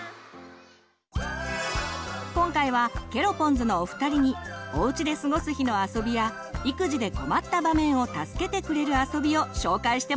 今回はケロポンズのお二人におうちで過ごす日のあそびや育児で困った場面を助けてくれるあそびを紹介してもらいます！